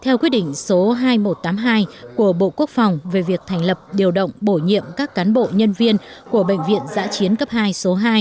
theo quyết định số hai nghìn một trăm tám mươi hai của bộ quốc phòng về việc thành lập điều động bổ nhiệm các cán bộ nhân viên của bệnh viện giã chiến cấp hai số hai